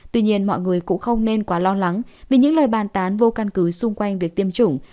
tuy nhiên mọi người cũng không nên quá lo lắng vì những lời bàn tán vô căn cứ xung quanh việc tiêm chủng